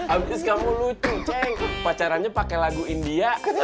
abis kamu lucu ceng pacarannya pakai lagu india